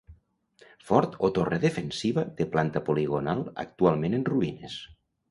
Fort o torre defensiva de planta poligonal, actualment en ruïnes.